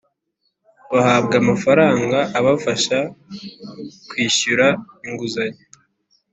bahabwa amafaranga abafasha kwishyura inguzanyo